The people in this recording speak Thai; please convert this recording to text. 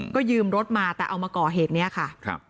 ก็ยืมรถมาแต่เอามาก่อเหตุนี้ค่ะ